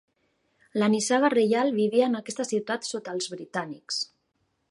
La nissaga reial vivia en aquesta ciutat sota els britànics.